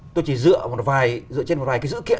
tôi chỉ dựa trên một vài cái dự kiện